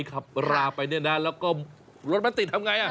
ขับราไปนี่นะแล้วก็รถมันติดทำอย่างไร